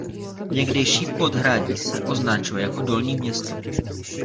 Někdejší podhradí se označuje jako Dolní město.